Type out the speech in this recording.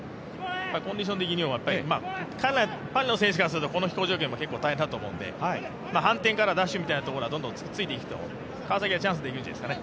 コンディション的には、パリの選手からするとこの気候条件も大変だと思うので反転からダッシュみたいなところはどんどんついていくと川崎はチャンスできるんじゃないですかね。